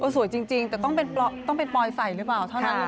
สวยจริงแต่ต้องเป็นปลอยใส่หรือเปล่าเท่านั้น